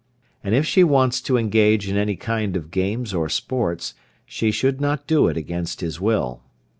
And if she wants to engage in any kind of games or sports, she should not do it against his will.